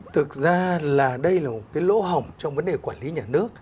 thực ra là đây là một cái lỗ hỏng trong vấn đề quản lý nhà nước